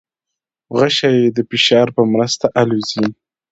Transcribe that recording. غشی د فشار په مرسته الوزي.